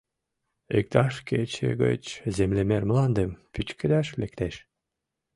— Иктаж кече гыч землемер мландым пӱчкедаш лектеш.